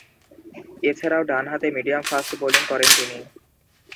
এছাড়াও ডানহাতে medium fast bowling করেন তিনি।